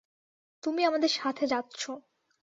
তুমি আমাদের সাথে যাচ্ছ।